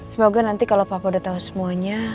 semoga nanti kalau papua udah tahu semuanya